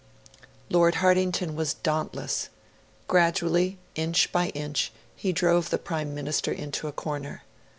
Lord Hartington was dauntless. Gradually, inch by inch, he drove the Prime Minister into a corner.